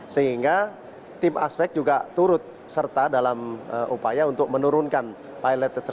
sehingga tim aspek juga turut serta dalam upaya untuk menurunkan pilot